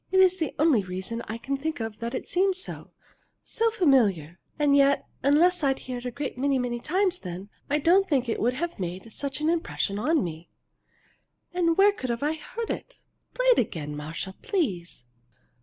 It's the only reason I can think of that it seems so so familiar. And yet unless I'd heard it a great, great many times then, I don't think it would have made such an impression on me. And where could I have heard it? Play it again, Marcia, please."